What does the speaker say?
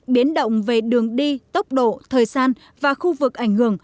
biến động về đường đi tốc độ thời gian và khu vực ảnh hưởng